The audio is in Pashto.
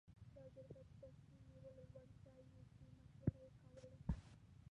دا جرګه د تصمیم نیولو لوړ ځای و چې مشورې یې کولې.